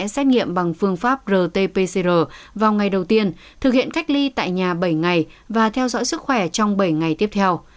xét nghiệm bằng phương pháp rt pcr vào ngày đầu tiên thực hiện cách ly tại nhà bảy ngày và theo dõi sức khỏe trong bảy ngày tiếp theo